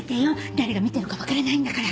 誰が見てるか分からないんだから！